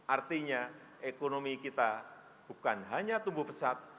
artinya ekonomi kita bukan hanya tumbuh pesat